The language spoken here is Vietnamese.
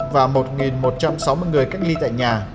và một một trăm sáu mươi người cách ly tập trung